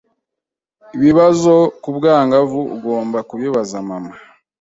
ibibazo ku bwangavu ugomba kubibaza Mama,